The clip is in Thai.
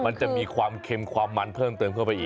มันจะมีความเค็มความมันเพิ่มเติมเข้าไปอีก